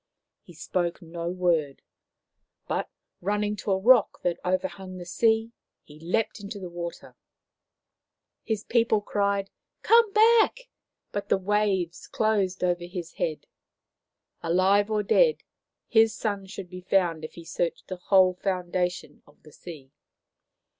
He spoke no word, but, running to a rock that overhung the sea, leapt into the water. His people cried, " Come back !" but the waves closed over his head. Alive or dead, his son should be found if he searched the whole foundation of the sea.